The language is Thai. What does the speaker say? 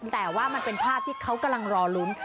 แต่ว่ามันเป็นภาพที่เขากำลังรอลุ้น